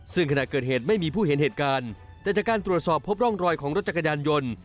ซึ่งขณะเกิดเหตุไม่มีผู้เห็นเหตุการณ์แต่จากการตรวจสอบพบร่องรอยของรถจักรยานยนต์